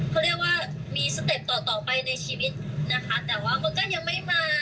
เขาเรียกว่ามีสเต็ปต่อต่อไปในชีวิตนะคะแต่ว่ามันก็ยังไม่มา